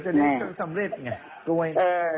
แต่ว่าหมิสูจ้าที่สำเร็จไง